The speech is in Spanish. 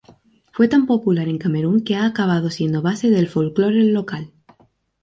Fue tan popular en Camerún que ha acabado siendo base de folclore local.